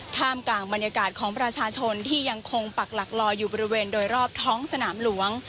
ท่ามกลางบรรยากาศของประชาชนที่ยังคงปักหลักลอยอยู่บริเวณโดยรอบท้องสนามหลวง